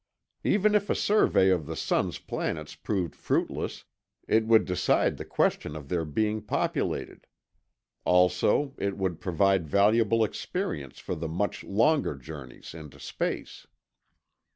Even if a survey of the sun's planets proved fruitless, it would decide the question of their being populated. Also, it would provide valuable experience for the much longer journeys into space.